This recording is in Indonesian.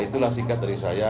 itulah singkat dari saya